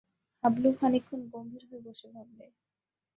হাবলু খানিকক্ষণ গম্ভীর হয়ে বসে ভাবলে।